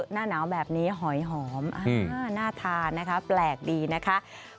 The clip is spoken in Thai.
หน้าหนาวแบบนี้หอยหอมน่าทานนะคะแปลกดีนะคะ